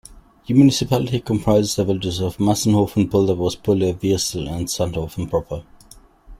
The municipality comprises the villages of Massenhoven, Pulderbos, Pulle, Viersel and Zandhoven proper.